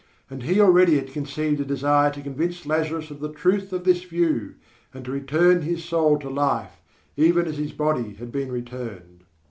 And he already had conceived a desire to convince Lazarus of the truth of this view and to return his soul to life even as his body had been returned.